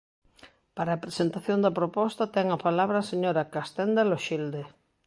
Para a presentación da proposta ten a palabra a señora Castenda Loxilde.